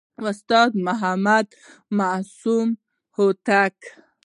استاد محمد معصوم هوتک